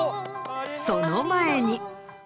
その前に。